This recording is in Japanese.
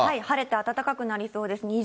晴れて暖かくなりそうです。